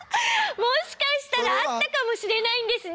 もしかしたらあったかもしれないんですね